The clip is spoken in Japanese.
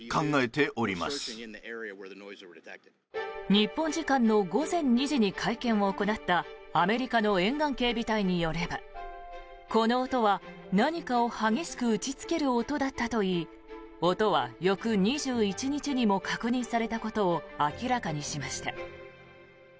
日本時間の午前２時に会見を行ったアメリカの沿岸警備隊によればこの音は、何かを激しく打ちつける音だったといい音は翌２１日にも確認されたことを明らかにしました。